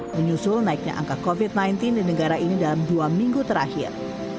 menyusul naiknya angka covid sembilan belas di negara ini dalam dua minggu terakhir